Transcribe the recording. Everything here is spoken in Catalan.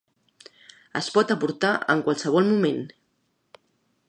Es pot aportar en qualsevol moment.